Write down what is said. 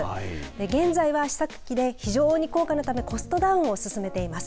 現在は試作機で非常に高価なためコストダウンを進めています